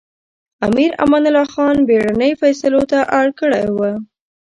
امیر امان الله خان بېړنۍ فېصلو ته اړ کړی و.